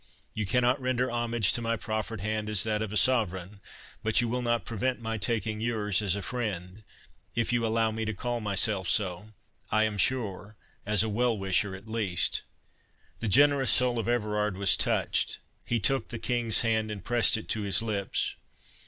You cannot render homage to my proffered hand as that of a sovereign, but you will not prevent my taking yours as a friend—if you allow me to call myself so—I am sure, as a well wisher at least." The generous soul of Everard was touched—He took the King's hand, and pressed it to his lips.